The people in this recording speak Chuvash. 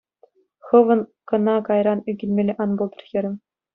Хӑвӑн кӑна кайран ӳкӗнмелле ан пултӑр, хӗрӗм.